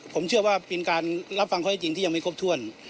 ผมเชื่อว่าเป็นการรับฟังข้อที่จริงที่ยังไม่ครบถ้วน